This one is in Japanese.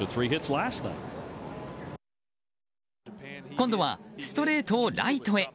今度はストレートをライトへ。